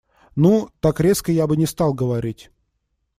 Ну, так резко я бы не стал говорить.